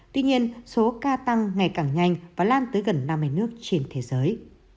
tuy nhiên số ca tăng ngày càng nhanh và lan tới gần năm mươi nước trên thế giới